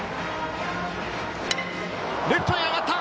レフトへ上がった！